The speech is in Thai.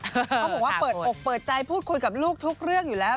เขาบอกว่าเปิดอกเปิดใจพูดคุยกับลูกทุกเรื่องอยู่แล้ว